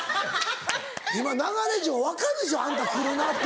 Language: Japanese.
今流れ上分かるでしょあんた来るなって。